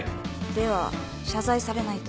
では謝罪されないと？